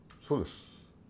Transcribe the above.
そうです。